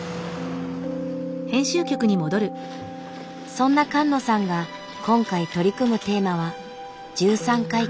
そんな菅野さんが今回取り組むテーマは「十三回忌」。